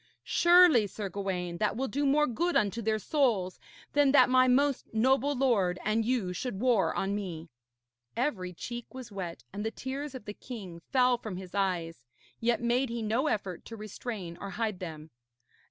Surely, Sir Gawaine, that will do more good unto their souls than that my most noble lord and you should war on me.' Every cheek was wet and the tears of the king fell from his eyes, yet made he no effort to restrain or hide them.